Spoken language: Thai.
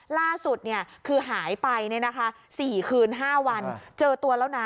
ล่าสุดคือหายไป๔คืน๕วันเจอตัวแล้วนะ